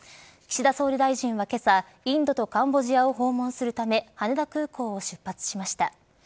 岸田総理大臣は今朝インドとカンボジアを訪問するため羽田空港を出発しました。